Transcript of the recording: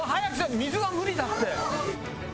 水は無理だって！